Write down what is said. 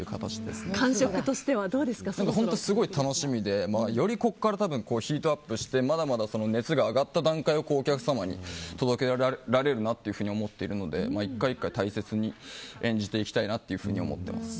本当にすごい楽しみでよりここからヒートアップしてまだまだ熱が上がった段階でお客様に届けられるなと思っているので１回、１回大切に演じていきたいなというふうに思っています。